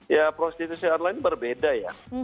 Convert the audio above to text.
ya prostitusi online berbeda ya